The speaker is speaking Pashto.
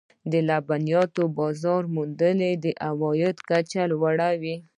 د لبنیاتو بازار موندنه د عوایدو کچه لوړوي.